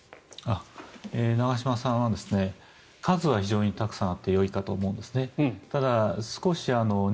長嶋さんは数は非常にたくさんあってよいかと思うんですね。